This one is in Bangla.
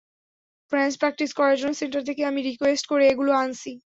রেঞ্জ প্র্যাকটিস করার জন্য সেন্টার থেকে আমি রিকোয়েস্ট করে এগুলা আনছি।